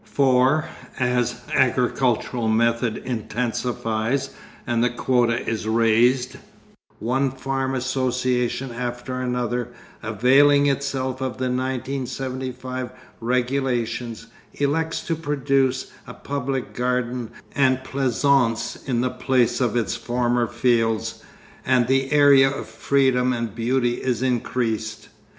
For, as agricultural method intensifies and the quota is raised, one farm association after another, availing itself of the 1975 regulations, elects to produce a public garden and pleasaunce in the place of its former fields, and the area of freedom and beauty is increased.